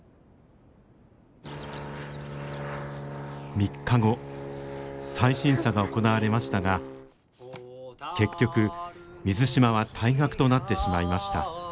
３日後再審査が行われましたが結局水島は退学となってしまいました。